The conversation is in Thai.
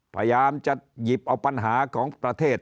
พยายามจะหยิบเอาปัญหาของประเทศ